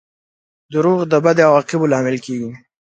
• دروغ د بدو عواقبو لامل کیږي.